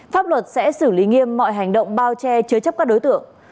pháp luật sẽ xử lý nghiêm mọi hành động bao che chứa chấp các đối tượng